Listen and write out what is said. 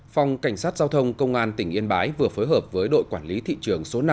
phòng cảnh sát giao thông công an tỉnh yên bái vừa phối hợp với đội quản lý thị trường số năm